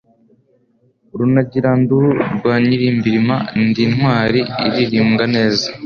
Runagiranduru rwa Nyilimbirima, ndi intwali ilirimbwa neza.